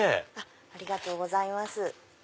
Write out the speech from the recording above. ありがとうございます。